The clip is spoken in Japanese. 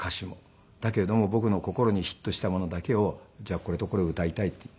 だけども僕の心にヒットしたものだけを「じゃあこれとこれを歌いたい」って言って。